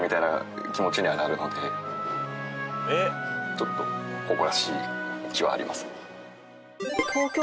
ちょっと誇らしい気はありますね。